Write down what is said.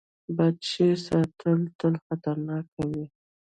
بد شی ساتل تل خطرناک وي.